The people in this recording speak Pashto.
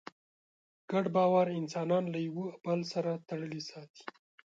ګډ باور انسانان له یوه بل سره تړلي ساتي.